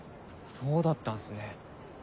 そうだったんすね。